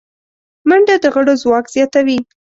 منډه د غړو ځواک زیاتوي